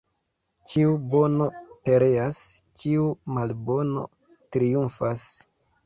Ĉiu bono pereas, ĉiu malbono triumfas.